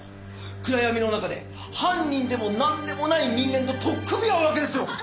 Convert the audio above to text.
暗闇の中で犯人でもなんでもない人間と取っ組み合うわけですよ。